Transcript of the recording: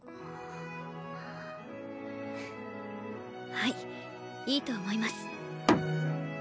はいいいと思います。